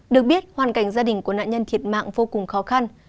được biết hoàn cảnh gia đình của nạn nhân thiệt mạng vô cùng khó khăn